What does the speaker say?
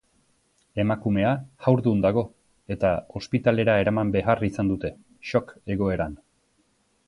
Emakumea haurdun dago, eta ospitalera eraman behar izan dute, shock egoeran.